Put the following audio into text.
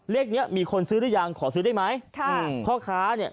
เนี้ยมีคนซื้อหรือยังขอซื้อได้ไหมค่ะพ่อค้าเนี่ย